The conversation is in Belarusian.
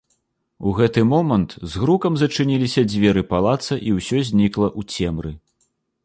У гэты момант з грукам зачыніліся дзверы палаца і ўсё знікла ў цемры.